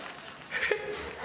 えっ？